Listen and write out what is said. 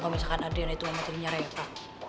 kalau misalkan adriana itu yang mampir nyara ya pak